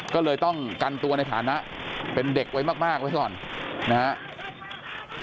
ก็เลยต้องกันตัวในฐานะเป็นเด็กไว้มากไว้ก่อนนะครับ